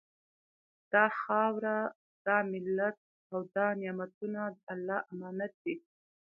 دا خاوره، دا ملت او دا نعمتونه د الله امانت دي